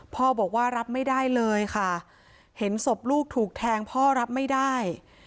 พ่อบอกว่ารับไม่ได้เลยค่ะเห็นศพลูกถูกแทงพ่อรับไม่ได้